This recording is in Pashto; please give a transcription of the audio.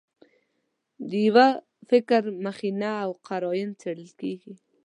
د یوه تفکر مخینه او قراین څېړل کېږي.